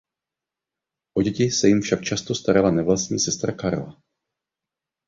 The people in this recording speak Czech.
O děti se jim však často starala nevlastní sestra Karla.